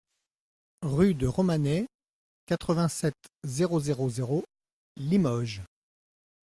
Rue de Romanet, quatre-vingt-sept, zéro zéro zéro Limoges